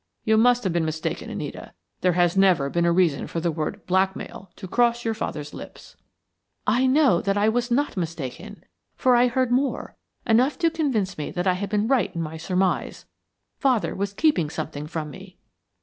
You must have been mistaken, Anita. There has never been a reason for the word 'blackmail' to cross your father's lips." "I know that I was not mistaken, for I heard more enough to convince me that I had been right in my surmise! Father was keeping something from me!"